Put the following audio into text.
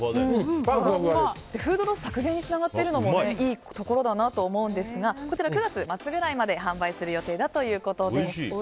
フードロス削減につながっているところもいいところだなと思うんですがこちら、９月末くらいまで販売する予定だということです。